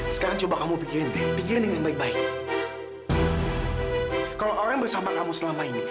sekarang coba kamu pikir dengan baik baik milad